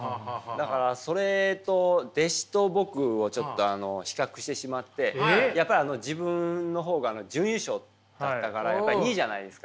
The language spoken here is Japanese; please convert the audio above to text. だからそれと弟子と僕をちょっと比較してしまってやっぱり自分の方が準優勝だったから２位じゃないですか。